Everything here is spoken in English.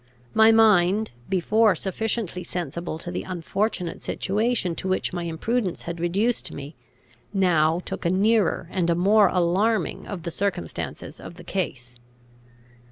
My mind, before sufficiently sensible to the unfortunate situation to which my imprudence had reduced me, now took a nearer and a more alarming view of the circumstances of the case.